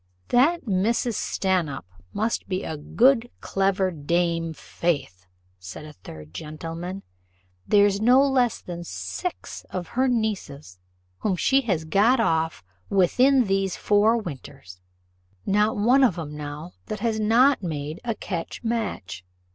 "That Mrs. Stanhope must be a good clever dame, faith," said a third gentleman: "there's no less than six of her nieces whom she has got off within these four winters not one of 'em now that has not made a catch match.